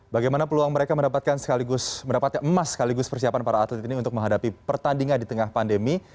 bagaimana peluang mereka mendapatkan sekaligus mendapatkan emas sekaligus persiapan para atlet ini untuk menghadapi pertandingan di tengah pandemi